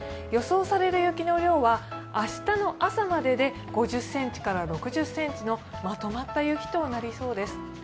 予想される雪の量は明日の朝までで５０ｃｍから６０ｃｍのまとまった雪となりそうです。